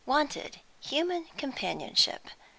"WANTED, human companionship.